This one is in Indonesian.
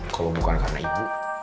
kalo bukan karena ibu